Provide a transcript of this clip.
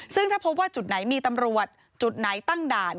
ซึ่งถ้าพบว่าจุดไหนมีตำรวจจุดไหนตั้งด่าน